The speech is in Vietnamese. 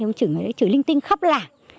ông chửi linh tinh khắp làng